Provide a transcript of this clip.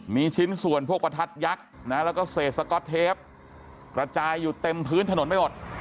มีชิ้นส่วนพวกประทัดยักษ์นะแล้วก็เศษสก๊อตเทปกระจายอยู่เต็มพื้นถนนไปหมด